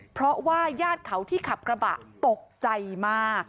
เพราะว่าญาติเขาที่ขับกระบะตกใจมาก